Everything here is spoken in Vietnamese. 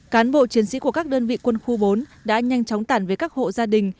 cán bộ chiến sĩ của các đơn vị quân khu bốn đã nhanh chóng tản với các hộ gia đình